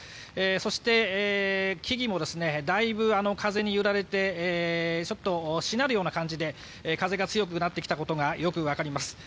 そして木々もだいぶ風に揺られてちょっとしなるような感じで風が強くなってきたことがよくわかります。